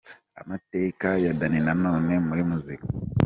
Amateka ya Danny Nanone muri muzika.